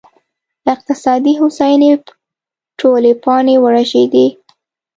اقتصادي هوساینې ټولې پاڼې ورژېدې